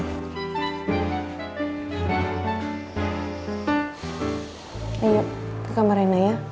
oke yuk ke kamar rena ya